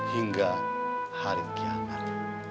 hingga hari kiamat